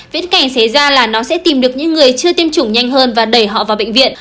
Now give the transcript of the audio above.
viễn cảnh xảy ra là nó sẽ tìm được những người chưa tiêm chủng nhanh hơn và đẩy họ vào bệnh viện